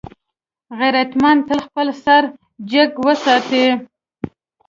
غیرتمند تل خپل سر جګ وساتي